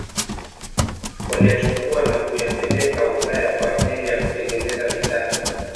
waliyachukua na kuyapeleka Ulaya kwa ajili ya kutengeneza bidhaa